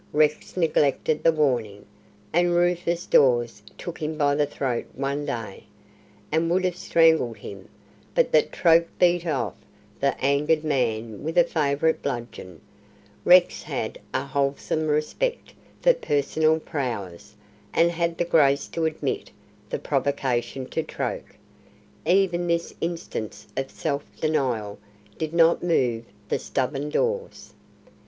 Rex neglected the warning, and Rufus Dawes took him by the throat one day, and would have strangled him, but that Troke beat off the angered man with a favourite bludgeon. Rex had a wholesome respect for personal prowess, and had the grace to admit the provocation to Troke. Even this instance of self denial did not move the stubborn Dawes.